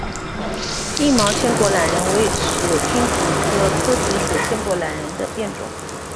硬毛千果榄仁为使君子科诃子属千果榄仁的变种。